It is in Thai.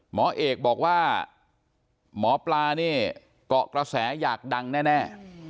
หมอเอกบอกว่าหมอปลานี่เกาะกระแสอยากดังแน่